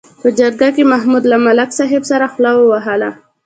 په جرګه کې محمود له ملک صاحب سره خوله ووهله.